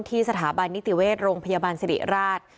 สถาบันนิติเวชโรงพยาบาลสิริราช